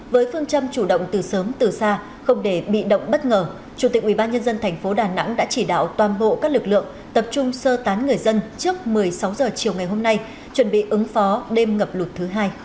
với phương châm chủ động từ sớm từ xa không để bị động bất ngờ chủ tịch ubnd tp đà nẵng đã chỉ đạo toàn bộ các lực lượng tập trung sơ tán người dân trước một mươi sáu h chiều ngày hôm nay chuẩn bị ứng phó đêm ngập lụt thứ hai